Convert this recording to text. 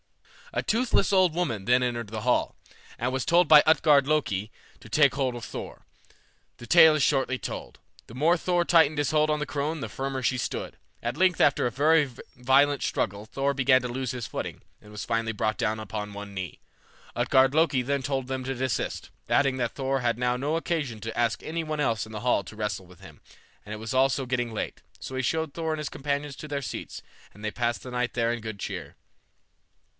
A toothless old woman then entered the hall, and was told by Utgard Loki to take hold of Thor. The tale is shortly told. The more Thor tightened his hold on the crone the firmer she stood. At length after a very violent struggle Thor began to lose his footing, and was finally brought down upon one knee. Utgard Loki then told them to desist, adding that Thor had now no occasion to ask any one else in the hall to wrestle with him, and it was also getting late; so he showed Thor and his companions to their seats, and they passed the night there in good cheer.